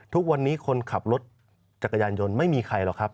ทุกวันนี้คนขับรถจักรยานยนต์ไม่มีใครหรอกครับ